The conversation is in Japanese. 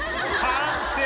完成！